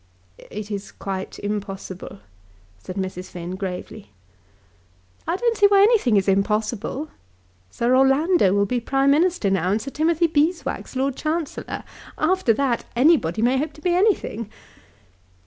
"It is quite impossible," said Mrs. Finn, gravely. "I don't see why anything is impossible. Sir Orlando will be Prime Minister now, and Sir Timothy Beeswax Lord Chancellor. After that anybody may hope to be anything.